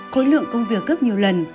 khối lượng công việc gấp nhiều lần